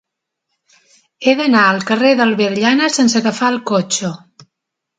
He d'anar al carrer d'Albert Llanas sense agafar el cotxe.